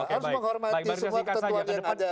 harus menghormati semua ketentuan yang ada